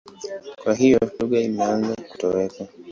Kwa hiyo lugha imeanza kutoweka.